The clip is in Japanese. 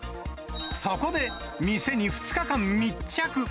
そこで、店に２日間密着。